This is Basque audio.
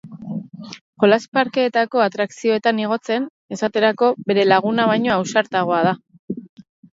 Jolas-parkeetako atrakzioetan igotzen, esaterako, bere laguna baino ausartagoa da.